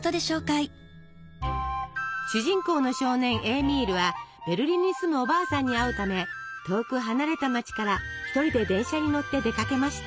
主人公の少年エーミールはベルリンに住むおばあさんに会うため遠く離れた街から一人で電車に乗って出かけました。